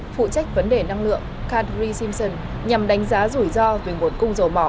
phụ trách vấn đề năng lượng khadri simpson nhằm đánh giá rủi ro về nguồn cung dầu mỏ